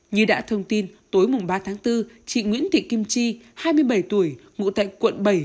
như đã thông tin tối mùng ba tháng bốn chị nguyễn thị kim chi hai mươi bảy tuổi ngụ tại quận bảy